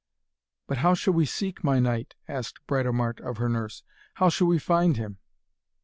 'But how shall we seek my knight?' asked Britomart of her nurse. 'How shall we find him?'